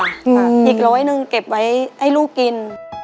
อีกร้อยหนึ่งเก็บไว้ให้ลูกกิน